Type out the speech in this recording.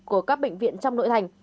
của các bệnh viện trong nội thành